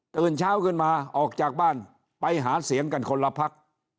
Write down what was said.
ตื่นเช้าขึ้นมาออกจากบ้านไปหาเสียงกันคนละพัก